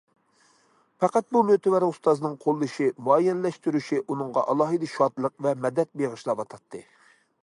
پەقەت بۇ مۆتىۋەر ئۇستازنىڭ قوللىشى، مۇئەييەنلەشتۈرۈشى ئۇنىڭغا ئالاھىدە شادلىق ۋە مەدەت بېغىشلاۋاتاتتى.